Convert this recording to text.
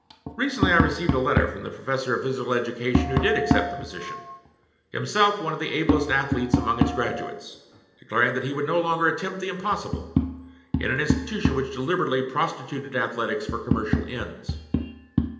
Recently I received a letter from the professor of physical education who did accept the position, himself one of the ablest athletes among its graduates, declaring that he would no longer attempt the impossible, in an institution which deliberately prostituted athletics for commercial ends.